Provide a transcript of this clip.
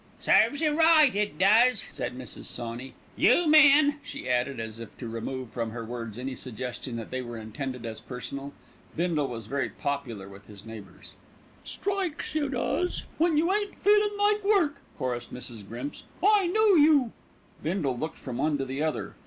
"Serves you right, it does," said Mrs. Sawney. "You men," she added, as if to remove from her words any suggestion that they were intended as personal. Bindle was very popular with his neighbours. "Strikes you does, when you ain't feeling like work," chorused Mrs. Grimps, "I know you." Bindle looked from one to the other.